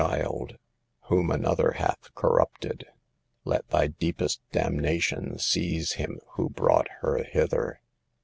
child, whom another hath corrupted ! Let thy deepest damnation seize him who brought her hither.